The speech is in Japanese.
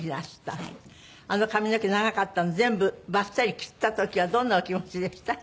あの髪の毛長かったの全部バッサリ切った時はどんなお気持ちでした？